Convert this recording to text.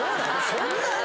そんなに？